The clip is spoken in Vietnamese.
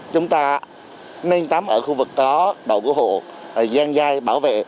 chúng ta nên tắm ở khu vực có đội cứu hộ dăng dây bảo vệ